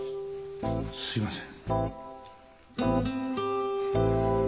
すいません。